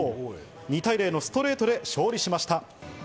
２対０のストレートで勝利しました。